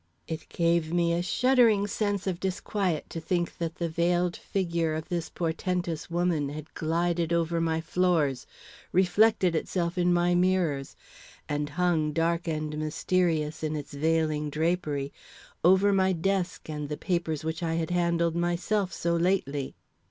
It gave me a shuddering sense of disquiet to think that the veiled figure of this portentous woman had glided over my floors, reflected itself in my mirrors, and hung, dark and mysterious in its veiling drapery, over my desk and the papers which I had handled myself so lately.